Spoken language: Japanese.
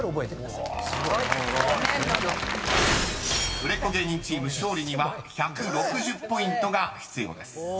［売れっ子芸人チーム勝利には１６０ポイントが必要です］